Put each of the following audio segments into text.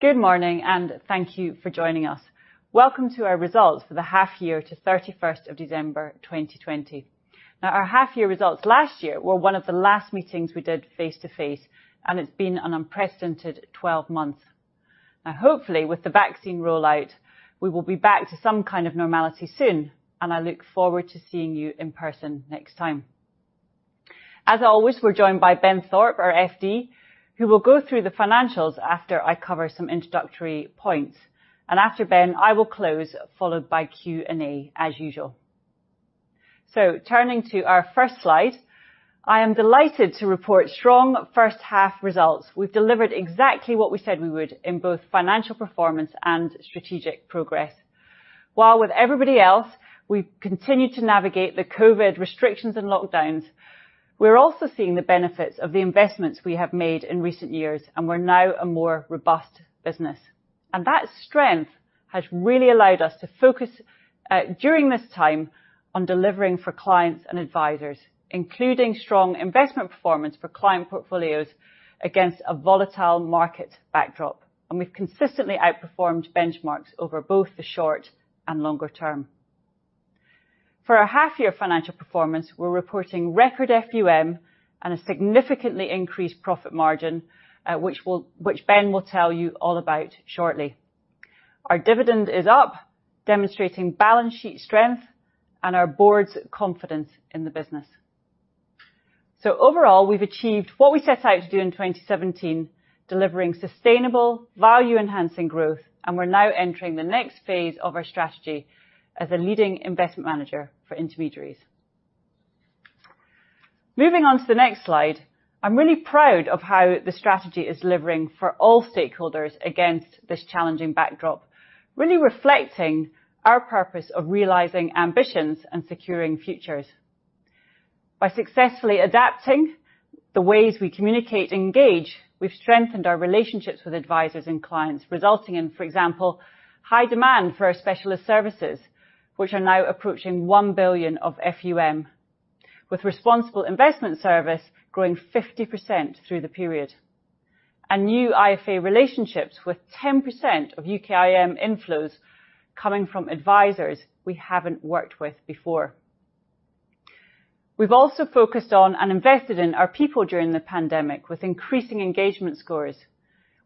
Good morning, and thank you for joining us. Welcome to our results for the half year to 31st of December 2020. Our half year results last year were one of the last meetings we did face-to-face, and it's been an unprecedented 12 months. Hopefully, with the vaccine rollout, we will be back to some kind of normality soon, and I look forward to seeing you in person next time. As always, we're joined by Ben Thorpe, our FD, who will go through the financials after I cover some introductory points. After Ben, I will close, followed by Q&A as usual. Turning to our first slide, I am delighted to report strong first-half results. We've delivered exactly what we said we would in both financial performance and strategic progress. While with everybody else, we continue to navigate the COVID restrictions and lockdowns. We're also seeing the benefits of the investments we have made in recent years, and we're now a more robust business. That strength has really allowed us to focus, during this time, on delivering for clients and advisors, including strong investment performance for client portfolios against a volatile market backdrop. We've consistently outperformed benchmarks over both the short and longer term. For our half-year financial performance, we're reporting record FUM and a significantly increased profit margin, which Ben will tell you all about shortly. Our dividend is up, demonstrating balance sheet strength and our board's confidence in the business. Overall, we've achieved what we set out to do in 2017, delivering sustainable value-enhancing growth, and we're now entering the next phase of our strategy as a leading investment manager for intermediaries. Moving on to the next slide, I'm really proud of how the strategy is delivering for all stakeholders against this challenging backdrop. Really reflecting our purpose of realizing ambitions and securing futures. By successfully adapting the ways we communicate and engage, we've strengthened our relationships with advisors and clients, resulting in, for example, high demand for our specialist services, which are now approaching 1 billion of FUM, with Responsible Investment Service growing 50% through the period. New IFA relationships with 10% of UKIM inflows coming from advisors we haven't worked with before. We've also focused on and invested in our people during the pandemic, with increasing engagement scores.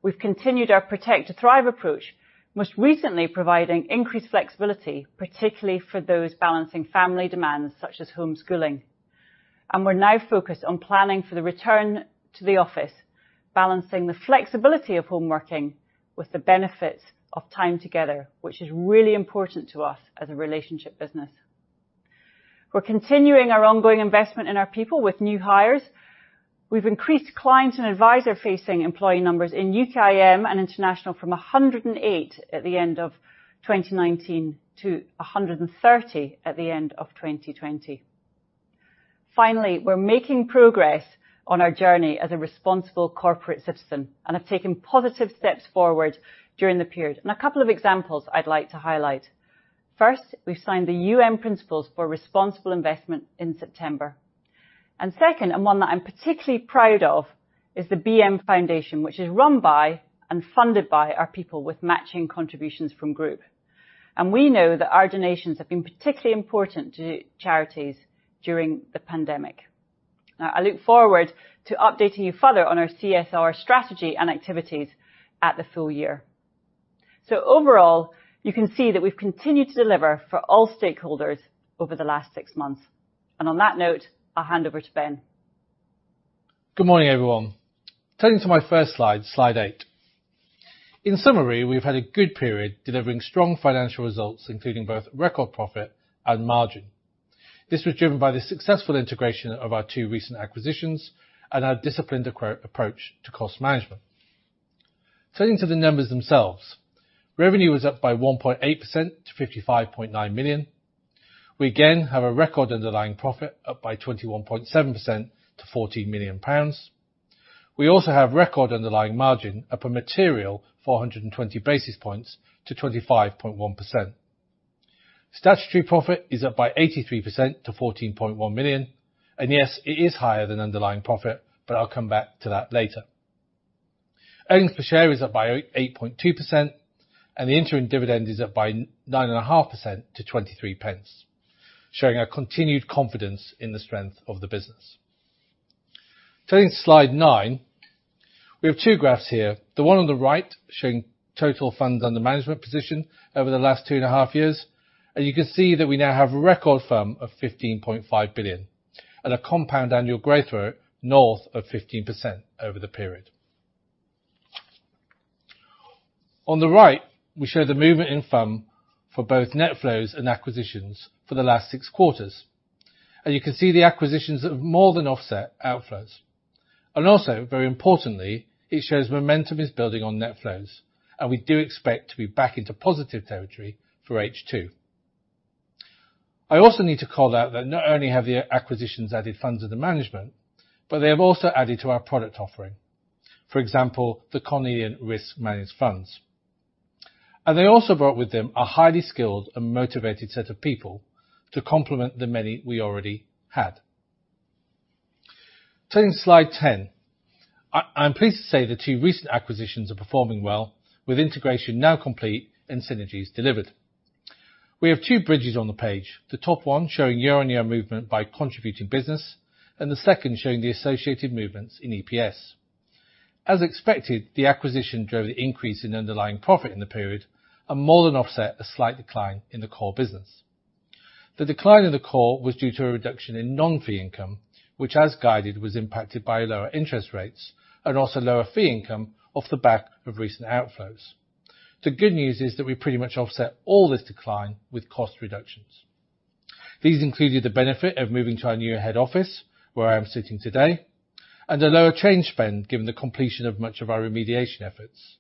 We've continued our Protect to Thrive approach, most recently providing increased flexibility, particularly for those balancing family demands such as homeschooling. We're now focused on planning for the return to the office, balancing the flexibility of home working with the benefits of time together, which is really important to us as a relationship business. We're continuing our ongoing investment in our people with new hires. We've increased client and advisor-facing employee numbers in UKIM and International from 108 at the end of 2019 to 130 at the end of 2020. Finally, we're making progress on our journey as a responsible corporate citizen and have taken positive steps forward during the period. A couple of examples I'd like to highlight. First, we've signed the UN Principles for Responsible Investment in September. Second, and one that I'm particularly proud of, is the BM Foundation, which is run by and funded by our people with matching contributions from Group. We know that our donations have been particularly important to charities during the pandemic. Now, I look forward to updating you further on our CSR strategy and activities at the full year. Overall, you can see that we've continued to deliver for all stakeholders over the last six months. On that note, I'll hand over to Ben. Good morning, everyone. Turning to my first slide eight. In summary, we've had a good period delivering strong financial results, including both record profit and margin. This was driven by the successful integration of our two recent acquisitions and our disciplined approach to cost management. Turning to the numbers themselves, revenue was up by 1.8% to 55.9 million. We again have a record underlying profit up by 21.7% to 14 million pounds. We also have record underlying margin up a material 420 basis points to 25.1%. Statutory profit is up by 83% to 14.1 million. Yes, it is higher than underlying profit, but I'll come back to that later. Earnings per share is up by 8.2%, and the interim dividend is up by 9.5% to 0.23, showing our continued confidence in the strength of the business. Turning to slide nine, we have two graphs here. The one on the right showing total funds under management position over the last two and a half years. You can see that we now have a record FUM of 15.5 billion and a compound annual growth rate north of 15% over the period. On the right, we show the movement in FUM for both net flows and acquisitions for the last six quarters. You can see the acquisitions have more than offset outflows. Also, very importantly, it shows momentum is building on net flows, and we do expect to be back into positive territory for H2. I also need to call out that not only have the acquisitions added funds under management, but they have also added to our product offering. For example, the Cornelian Risk Managed Funds. They also brought with them a highly skilled and motivated set of people to complement the many we already had. Turning to slide 10. I'm pleased to say the two recent acquisitions are performing well, with integration now complete and synergies delivered. We have two bridges on the page, the top one showing year-on-year movement by contributing business, and the second showing the associated movements in EPS. As expected, the acquisition drove the increase in underlying profit in the period and more than offset a slight decline in the core business. The decline in the core was due to a reduction in non-fee income, which, as guided, was impacted by lower interest rates and also lower fee income off the back of recent outflows. The good news is that we pretty much offset all this decline with cost reductions. These included the benefit of moving to our new head office, where I am sitting today, and a lower change spend given the completion of much of our remediation efforts,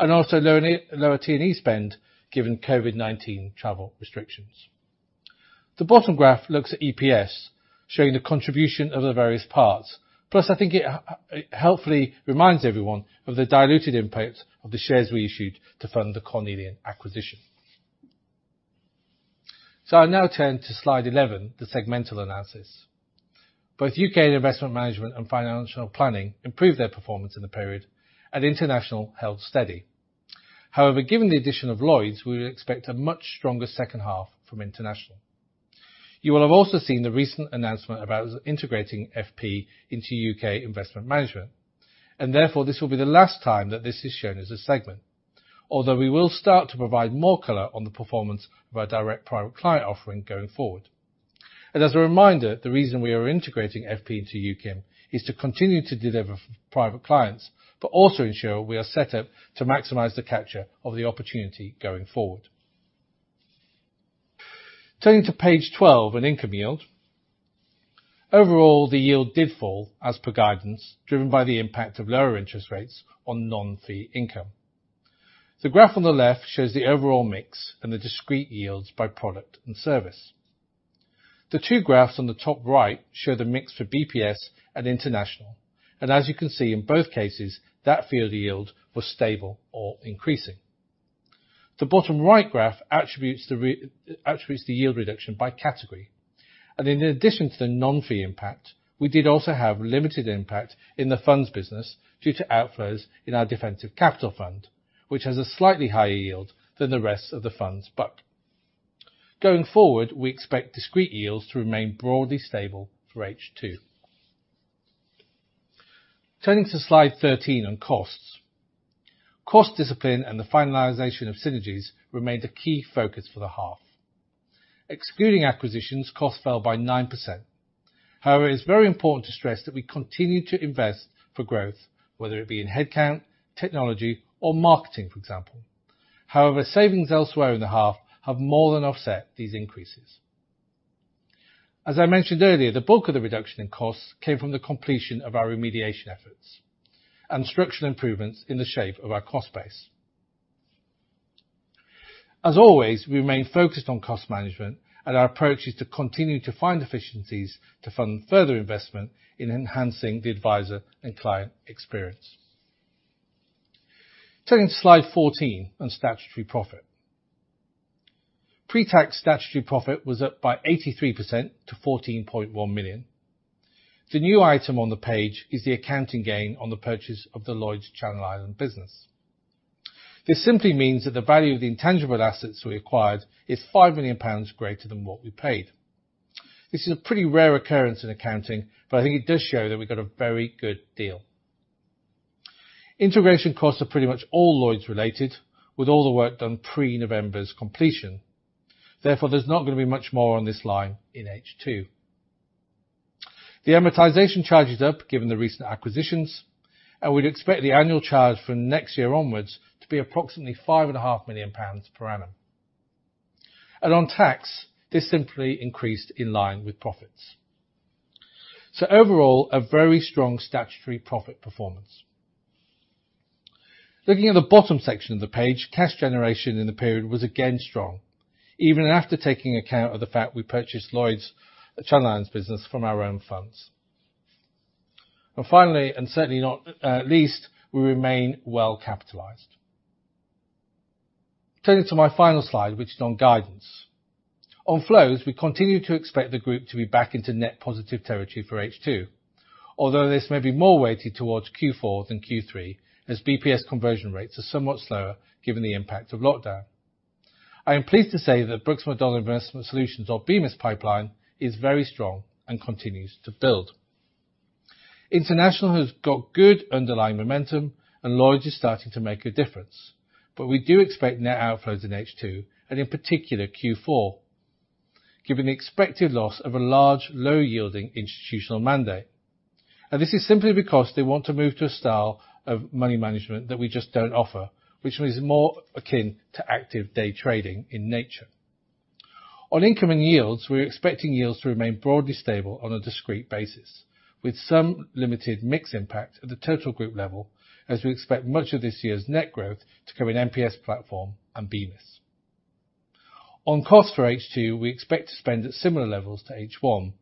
and also lower T&E spend, given COVID-19 travel restrictions. The bottom graph looks at EPS, showing the contribution of the various parts. I think it helpfully reminds everyone of the diluted impact of the shares we issued to fund the Cornelian acquisition. I now turn to slide 11, the segmental analysis. Both U.K. Investment Management and Financial Planning improved their performance in the period, and International held steady. Given the addition of Lloyds, we would expect a much stronger second half from International. You will have also seen the recent announcement about us integrating FP into U.K. Investment Management, and therefore, this will be the last time that this is shown as a segment. We will start to provide more color on the performance of our direct private client offering going forward. As a reminder, the reason we are integrating FP into UKIM is to continue to deliver for private clients, but also ensure we are set up to maximize the capture of the opportunity going forward. Turning to page 12 on income yield. Overall, the yield did fall as per guidance, driven by the impact of lower interest rates on non-fee income. The graph on the left shows the overall mix and the discrete yields by product and service. The two graphs on the top right show the mix for BMIS and international. As you can see, in both cases, that fee yield was stable or increasing. The bottom right graph attributes the yield reduction by category. In addition to the non-fee impact, we did also have limited impact in the funds business due to outflows in our Defensive Capital Fund, which has a slightly higher yield than the rest of the funds' book. Going forward, we expect discrete yields to remain broadly stable through H2. Turning to slide 13 on costs. Cost discipline and the finalization of synergies remained a key focus for the half. Excluding acquisitions, costs fell by 9%. However, it is very important to stress that we continue to invest for growth, whether it be in headcount, technology, or marketing, for example. However, savings elsewhere in the half have more than offset these increases. As I mentioned earlier, the bulk of the reduction in costs came from the completion of our remediation efforts and structural improvements in the shape of our cost base. As always, we remain focused on cost management, and our approach is to continue to find efficiencies to fund further investment in enhancing the advisor and client experience. Turning to slide 14 on statutory profit. Pre-tax statutory profit was up by 83% to 14.1 million. The new item on the page is the accounting gain on the purchase of the Lloyds Channel Islands business. This simply means that the value of the intangible assets we acquired is 5 million pounds greater than what we paid. This is a pretty rare occurrence in accounting, but I think it does show that we got a very good deal. Integration costs are pretty much all Lloyds-related, with all the work done pre-November's completion. Therefore, there's not going to be much more on this line in H2. The amortization charge is up, given the recent acquisitions, and we'd expect the annual charge from next year onwards to be approximately 5.5 million pounds per annum. On tax, this simply increased in line with profits. Overall, a very strong statutory profit performance. Looking at the bottom section of the page, cash generation in the period was again strong, even after taking account of the fact we purchased Lloyds Channel Islands business from our own funds. Finally, and certainly not least, we remain well capitalized. Turning to my final slide, which is on guidance. On flows, we continue to expect the group to be back into net positive territory for H2, although this may be more weighted towards Q4 than Q3, as BPS conversion rates are somewhat slower given the impact of lockdown. I am pleased to say that Brooks Macdonald Investment Solutions, or BMIS pipeline, is very strong and continues to build. International has got good underlying momentum and Lloyds is starting to make a difference. We do expect net outflows in H2, and in particular Q4, given the expected loss of a large low-yielding institutional mandate. This is simply because they want to move to a style of money management that we just don't offer, which is more akin to active day trading in nature. On income and yields, we're expecting yields to remain broadly stable on a discrete basis, with some limited mix impact at the total group level, as we expect much of this year's net growth to come in MPS platform and BMIS. On costs for H2, we expect to spend at similar levels to H1,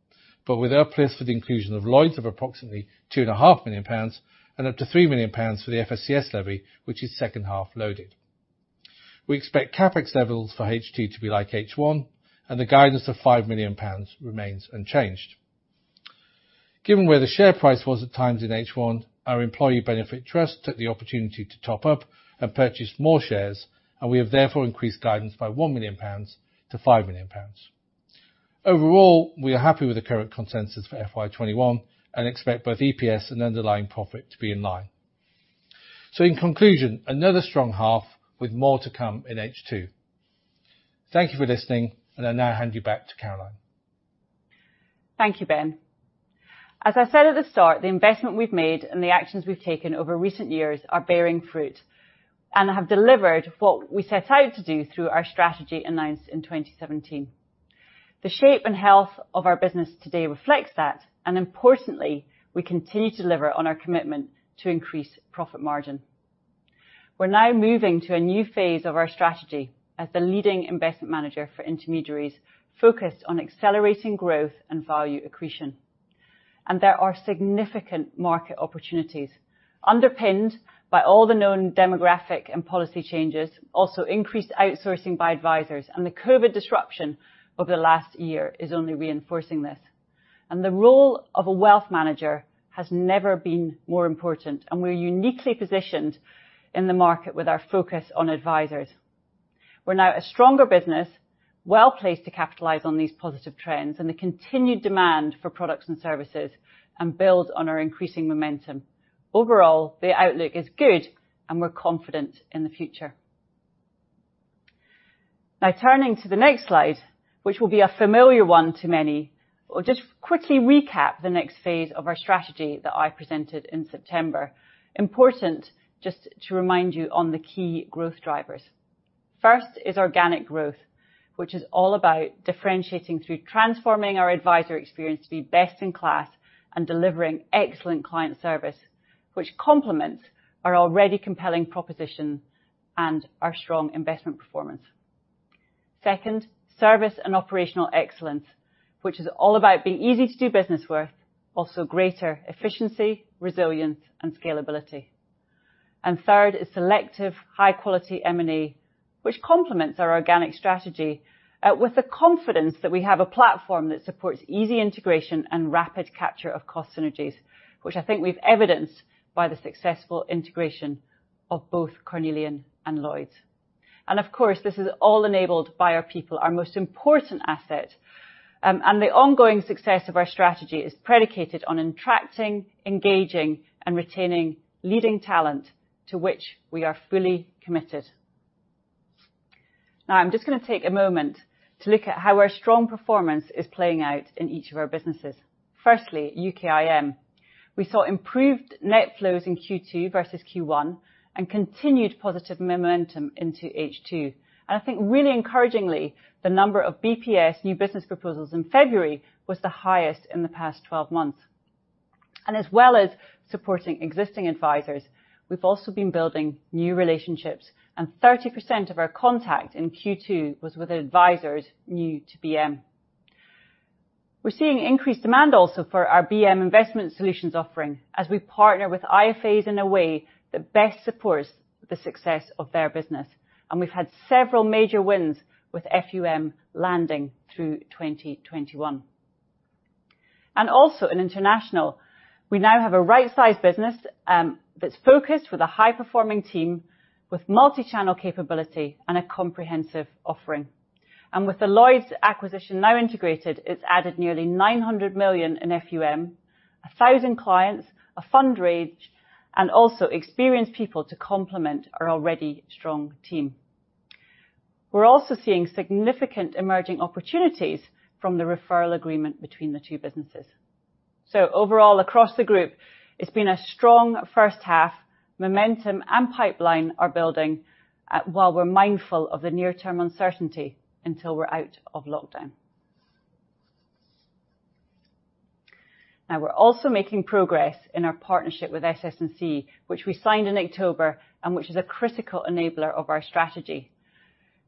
but with uplift for the inclusion of Lloyds of approximately 2.5 million pounds and up to 3 million pounds for the FSCS levy, which is second half loaded. We expect CapEx levels for H2 to be like H1 and the guidance of 5 million pounds remains unchanged. Given where the share price was at times in H1, our Employee Benefit Trust took the opportunity to top up and purchase more shares, and we have therefore increased guidance by 1 million-5 million pounds. Overall, we are happy with the current consensus for FY 2021 and expect both EPS and underlying profit to be in line. In conclusion, another strong half with more to come in H2. Thank you for listening, and I now hand you back to Caroline. Thank you, Ben. As I said at the start, the investment we've made and the actions we've taken over recent years are bearing fruit and have delivered what we set out to do through our strategy announced in 2017. The shape and health of our business today reflects that, and importantly, we continue to deliver on our commitment to increase profit margin. We're now moving to a new phase of our strategy as the leading investment manager for intermediaries focused on accelerating growth and value accretion. There are significant market opportunities underpinned by all the known demographic and policy changes, also increased outsourcing by advisors. The COVID-19 disruption over the last year is only reinforcing this. The role of a wealth manager has never been more important, and we're uniquely positioned in the market with our focus on advisors. We're now a stronger business, well-placed to capitalize on these positive trends and the continued demand for products and services, and build on our increasing momentum. Overall, the outlook is good, and we're confident in the future. Now turning to the next slide, which will be a familiar one to many, I'll just quickly recap the next phase of our strategy that I presented in September. Important just to remind you on the key growth drivers. First is organic growth, which is all about differentiating through transforming our advisor experience to be best in class and delivering excellent client service, which complements our already compelling proposition and our strong investment performance. Second, service and operational excellence, which is all about being easy to do business with, also greater efficiency, resilience, and scalability. Third is selective high-quality M&A, which complements our organic strategy with the confidence that we have a platform that supports easy integration and rapid capture of cost synergies, which I think we've evidenced by the successful integration of both Cornelian and Lloyds. Of course, this is all enabled by our people, our most important asset. The ongoing success of our strategy is predicated on attracting, engaging, and retaining leading talent to which we are fully committed. I'm just going to take a moment to look at how our strong performance is playing out in each of our businesses. Firstly, UKIM. We saw improved net flows in Q2 versus Q1 and continued positive momentum into H2. I think really encouragingly, the number of BPS new business proposals in February was the highest in the past 12 months. As well as supporting existing advisors, we've also been building new relationships, 30% of our contact in Q2 was with advisors new to BM. We're seeing increased demand also for our BM Investment Solutions offering as we partner with IFAs in a way that best supports the success of their business. We've had several major wins with FUM landing through 2021. Also in international, we now have a right-sized business that's focused with a high-performing team with multi-channel capability and a comprehensive offering. With the Lloyds acquisition now integrated, it's added nearly 900 million in FUM, 1,000 clients, a fundraise, and also experienced people to complement our already strong team. Overall, across the group, it's been a strong first half. Momentum and pipeline are building while we're mindful of the near-term uncertainty until we're out of lockdown. We're also making progress in our partnership with SS&C, which we signed in October and which is a critical enabler of our strategy.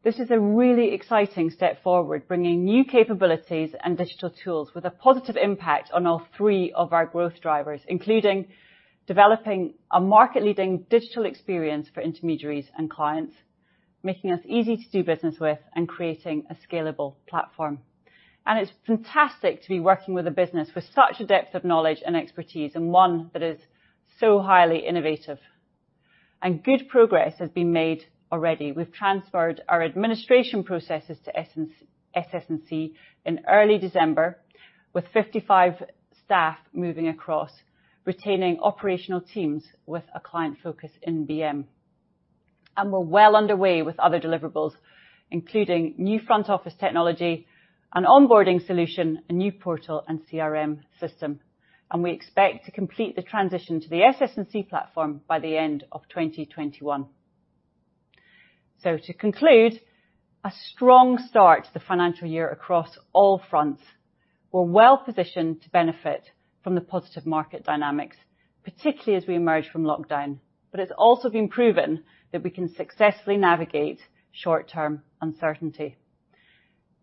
This is a really exciting step forward, bringing new capabilities and digital tools with a positive impact on all three of our growth drivers, including developing a market-leading digital experience for intermediaries and clients, making us easy to do business with, and creating a scalable platform. It's fantastic to be working with a business with such a depth of knowledge and expertise and one that is so highly innovative. Good progress has been made already. We've transferred our administration processes to SS&C in early December with 55 staff moving across, retaining operational teams with a client focus in BM. We're well underway with other deliverables, including new front office technology, an onboarding solution, a new portal, and CRM system. We expect to complete the transition to the SS&C platform by the end of 2021. To conclude, a strong start to the financial year across all fronts. We're well-positioned to benefit from the positive market dynamics, particularly as we emerge from lockdown. It's also been proven that we can successfully navigate short-term uncertainty.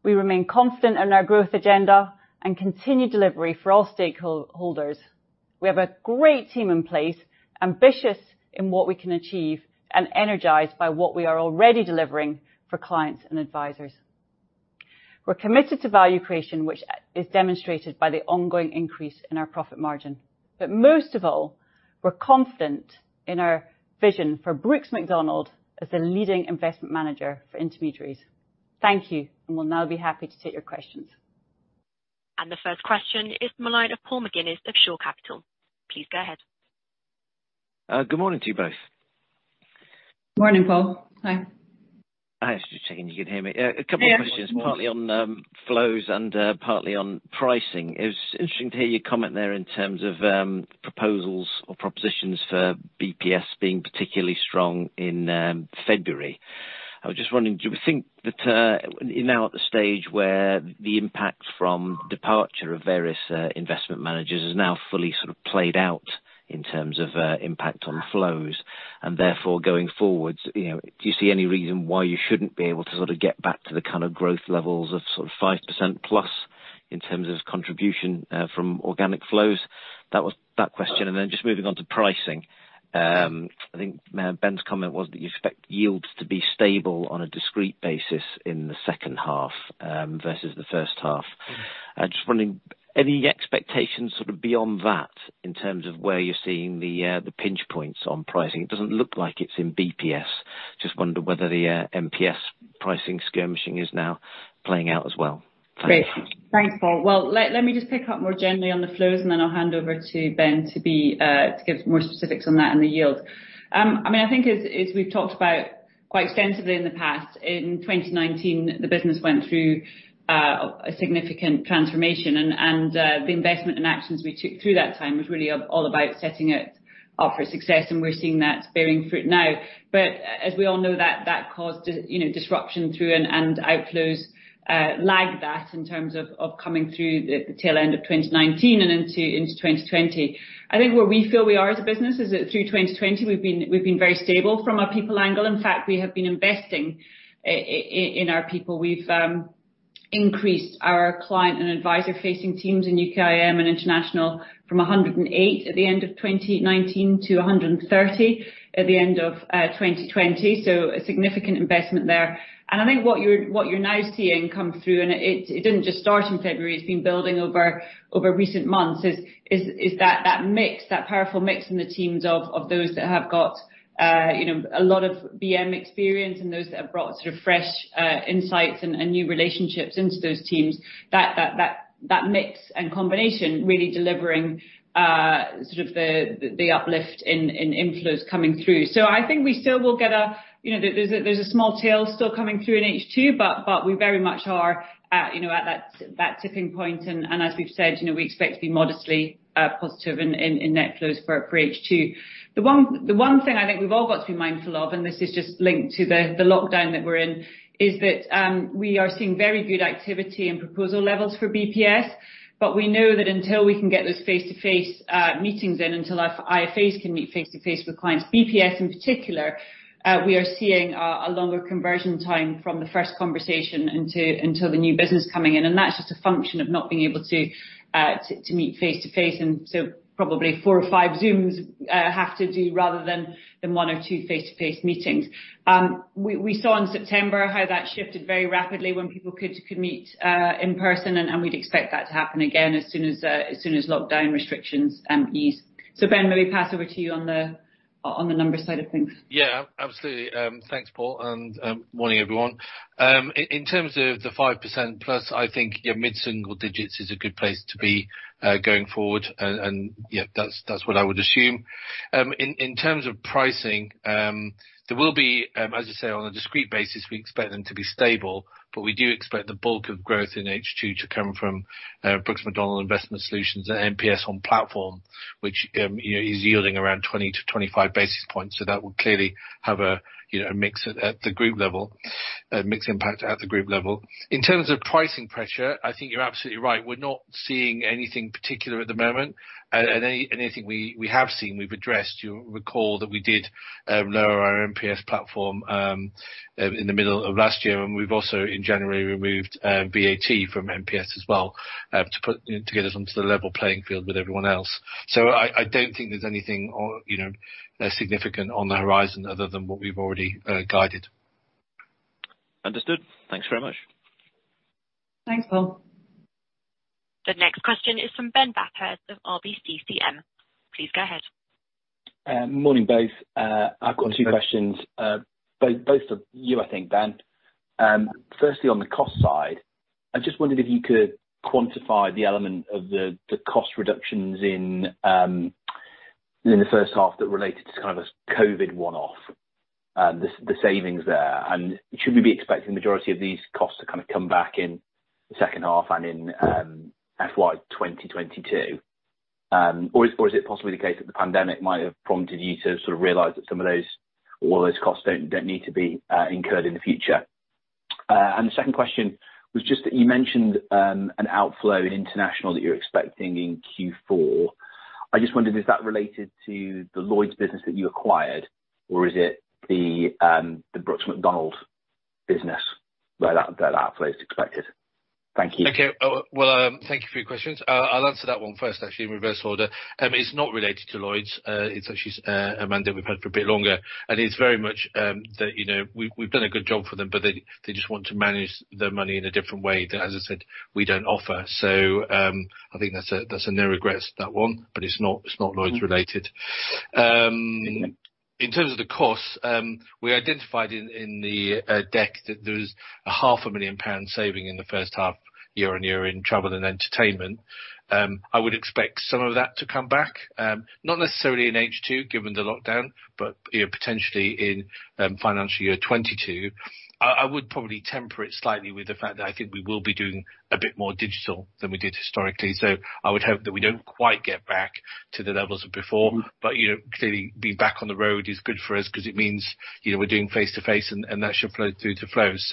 We remain confident in our growth agenda and continued delivery for all stakeholders. We have a great team in place, ambitious in what we can achieve, and energized by what we are already delivering for clients and advisors. We're committed to value creation, which is demonstrated by the ongoing increase in our profit margin. Most of all, we're confident in our vision for Brooks Macdonald as the leading investment manager for intermediaries. Thank you. We'll now be happy to take your questions. The first question is the line of Paul McGinnis of Shore Capital. Please go ahead. Good morning to you both. Morning, Paul. Hi. Just checking you can hear me. Yeah. A couple of questions, partly on flows and partly on pricing. It was interesting to hear you comment there in terms of proposals or propositions for BPS being particularly strong in February. I was just wondering, do we think that you're now at the stage where the impact from departure of various investment managers is now fully sort of played out in terms of impact on flows, and therefore going forward, do you see any reason why you shouldn't be able to sort of get back to the kind of growth levels of sort of 5% plus in terms of contribution from organic flows? That was that question. Then just moving on to pricing. I think Ben's comment was that you expect yields to be stable on a discrete basis in the second half, versus the first half. Just wondering, any expectations sort of beyond that in terms of where you're seeing the pinch points on pricing? It doesn't look like it's in BPS. Just wonder whether the MPS pricing skirmishing is now playing out as well. Great. Thanks, Paul. Let me just pick up more generally on the flows, and then I'll hand over to Ben to give more specifics on that and the yields. I think as we've talked about quite extensively in the past, in 2019, the business went through a significant transformation and the investment and actions we took through that time was really all about setting it up for success, and we're seeing that bearing fruit now. As we all know, that caused disruption through and outflows lag that in terms of coming through the tail end of 2019 and into 2020. I think where we feel we are as a business is that through 2020, we've been very stable from a people angle. In fact, we have been investing in our people. We've increased our client and advisor-facing teams in UKIM and International from 108 at the end of 2019 to 130 at the end of 2020. A significant investment there. I think what you're now seeing come through, and it didn't just start in February, it's been building over recent months, is that mix, that powerful mix in the teams of those that have got a lot of BM experience and those that have brought sort of fresh insights and new relationships into those teams, that mix and combination really delivering sort of the uplift in inflows coming through. There's a small tail still coming through in H2, we very much are at that tipping point, as we've said, we expect to be modestly positive in net flows for H2. The one thing I think we've all got to be mindful of, and this is just linked to the lockdown that we're in, is that, we are seeing very good activity and proposal levels for MPS, but we know that until we can get those face-to-face meetings in, until IFAs can meet face-to-face with clients, MPS in particular, we are seeing a longer conversion time from the first conversation until the new business coming in. That's just a function of not being able to meet face-to-face. Probably four or five Zooms have to do rather than one or two face-to-face meetings. We saw in September how that shifted very rapidly when people could meet in person, and we'd expect that to happen again as soon as lockdown restrictions ease. Ben, maybe pass over to you on the numbers side of things. Yeah, absolutely. Thanks, Paul. Morning, everyone. In terms of the 5% plus, I think mid-single digits is a good place to be going forward. Yeah, that's what I would assume. In terms of pricing, there will be, as I say, on a discrete basis, we expect them to be stable. We do expect the bulk of growth in H2 to come from Brooks Macdonald Investment Solutions and MPS on platform, which is yielding around 20-25 basis points. That will clearly have a mix impact at the group level. In terms of pricing pressure, I think you're absolutely right. We're not seeing anything particular at the moment. Anything we have seen, we've addressed. You'll recall that we did lower our Platform MPS in the middle of last year, and we've also in January removed VAT from MPS as well to get us onto the level playing field with everyone else. I don't think there's anything significant on the horizon other than what we've already guided. Understood. Thanks very much. Thanks, Paul. The next question is from Ben Bathurst of RBCCM. Please go ahead. Morning, both. Morning. I've got two questions, both for you, I think, Ben. Firstly, on the cost side, I just wondered if you could quantify the element of the cost reductions in the first half that related to kind of a COVID one-off, the savings there. Should we be expecting the majority of these costs to kind of come back in the second half and in FY 2022? Or is it possibly the case that the pandemic might have prompted you to sort of realize that some of those or all those costs don't need to be incurred in the future? The second question was just that you mentioned an outflow in international that you're expecting in Q4. I just wondered, is that related to the Lloyds business that you acquired, or is it the Brooks Macdonald business where that outflow is expected? Thank you. Okay. Well, thank you for your questions. I'll answer that one first, actually, in reverse order. It's not related to Lloyds. It's actually a mandate we've had for a bit longer, and it's very much that we've done a good job for them, but they just want to manage their money in a different way that, as I said, we don't offer. I think that's a no regrets, that one, but it's not Lloyds related. Thank you. In terms of the cost, we identified in the deck that there is a half a million GBP saving in the first half year-on-year in travel and entertainment. I would expect some of that to come back, not necessarily in H2 given the lockdown, but potentially in FY 2022. I would probably temper it slightly with the fact that I think we will be doing a bit more digital than we did historically. I would hope that we don't quite get back to the levels of before. Clearly, being back on the road is good for us because it means we're doing face-to-face, and that should flow through to flows.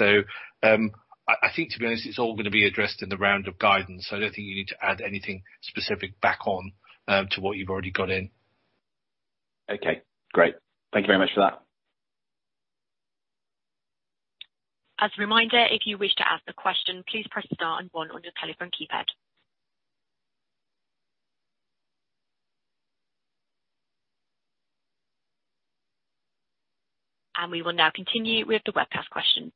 I think to be honest, it's all going to be addressed in the round of guidance. I don't think you need to add anything specific back on to what you've already got in. Okay, great. Thank you very much for that. As a reminder, if you wish to ask a question, please press star and one on your telephone keypad. We will now continue with the webcast questions.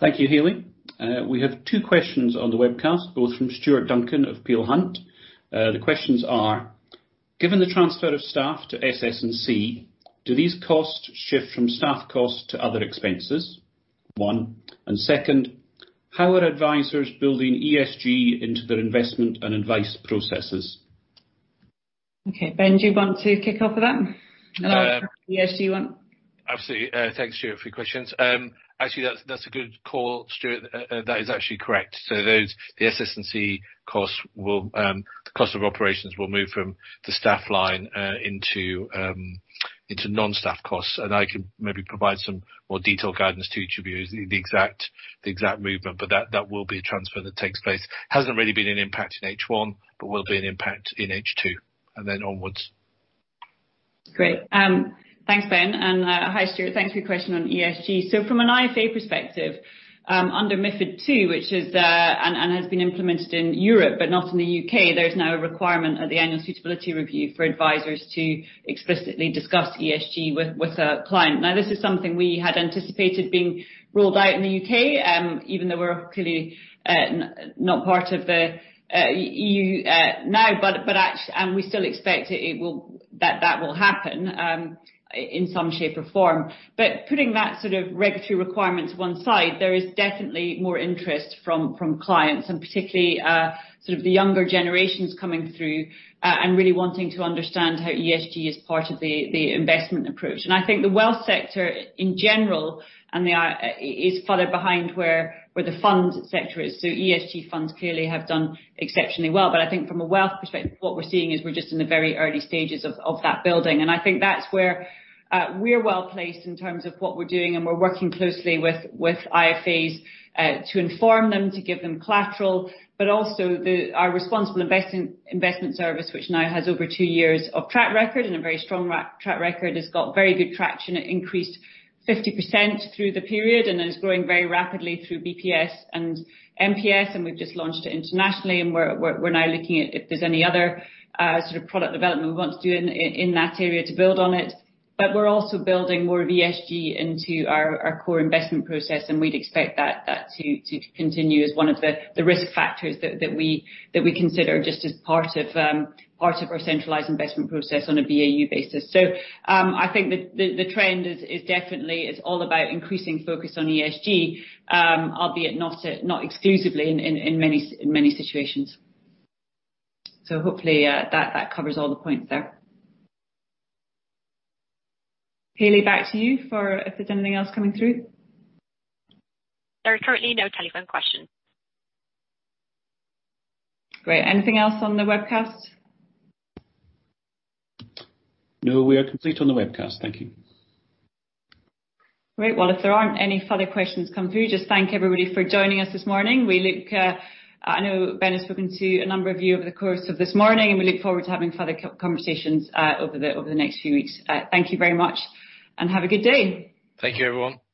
Thank you, Haley. We have two questions on the webcast, both from Stuart Duncan of Peel Hunt. The questions are, given the transfer of staff to SS&C, do these costs shift from staff costs to other expenses? One. Second, how are advisors building ESG into their investment and advice processes? Okay. Ben, do you want to kick off with that? Absolutely. Thanks, Stuart, for your questions. Actually, that's a good call, Stuart. That is actually correct. Those, the SS&C costs of operations will move from the staff line into non-staff costs. I can maybe provide some more detailed guidance to you, to give you the exact movement, that will be a transfer that takes place. Hasn't really been an impact in H1, will be an impact in H2 then onwards. Great. Thanks, Ben. And hi, Stuart. Thanks for your question on ESG. From an IFA perspective, under MiFID II, and has been implemented in Europe but not in the U.K., there is now a requirement at the annual suitability review for advisors to explicitly discuss ESG with a client. This is something we had anticipated being rolled out in the U.K., even though we're clearly not part of the EU now, and we still expect that will happen in some shape or form. Putting that sort of regulatory requirement to one side, there is definitely more interest from clients and particularly, sort of the younger generations coming through, and really wanting to understand how ESG is part of the investment approach. I think the wealth sector in general is further behind where the funds sector is. ESG funds clearly have done exceptionally well. I think from a wealth perspective, what we're seeing is we're just in the very early stages of that building. I think that's where we're well-placed in terms of what we're doing, and we're working closely with IFAs to inform them, to give them collateral, but also our Responsible Investment Service, which now has over two years of track record and a very strong track record, has got very good traction. It increased 50% through the period and is growing very rapidly through BPS and MPS, and we've just launched it internationally, and we're now looking at if there's any other sort of product development we want to do in that area to build on it. We're also building more of ESG into our core investment process, and we'd expect that to continue as one of the risk factors that we consider just as part of our centralized investment process on a BAU basis. I think the trend is definitely, it's all about increasing focus on ESG, albeit not exclusively in many situations. Hopefully, that covers all the points there. Haley, back to you for if there's anything else coming through. There are currently no telephone questions. Great. Anything else on the webcast? No, we are complete on the webcast. Thank you. Great. Well, if there aren't any further questions come through, just thank everybody for joining us this morning. I know Ben has spoken to a number of you over the course of this morning, and we look forward to having further conversations over the next few weeks. Thank you very much, and have a good day. Thank you, everyone.